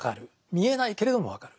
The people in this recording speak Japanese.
見えないけれども分かる。